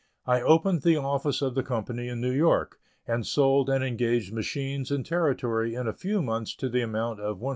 I opened the office of the Company in New York, and sold and engaged machines and territory in a few months to the amount of $180,000.